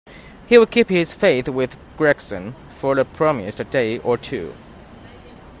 He would keep his faith with Gregson for the promised day or two.